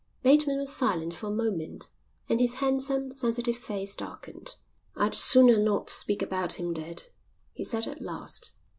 Bateman was silent for a moment, and his handsome, sensitive face darkened. "I'd sooner not speak about him, dad," he said at last.